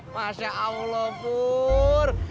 masya allah pur